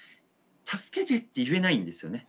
「助けて」って言えないんですよね。